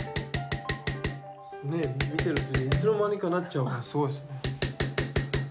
ねえ見てるといつの間にかなっちゃうのがすごいですね。